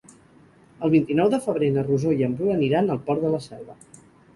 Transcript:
El vint-i-nou de febrer na Rosó i en Bru aniran al Port de la Selva.